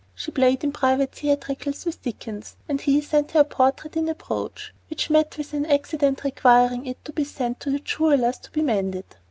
She played in private theatricals with Dickens, and he sent her a portrait in a brooch, which met with an accident requiring it to be sent to the jeweler's to be mended.